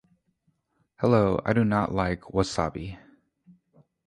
Hello, I do like wasabi.